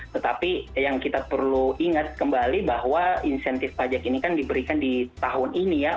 tetapi yang kita perlu ingat kembali bahwa insentif pajak ini kan diberikan di tahun ini ya